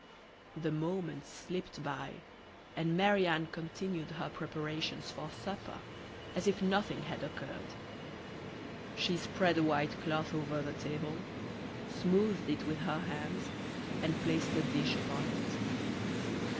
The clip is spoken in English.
The moments slipped by, and Marie Anne continued her preparations for supper as if nothing had occurred. She spread a white cloth over the table, smoothed it with her hands, and placed a dish upon it.